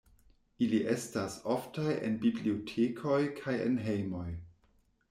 Ili estas oftaj en bibliotekoj kaj en hejmoj.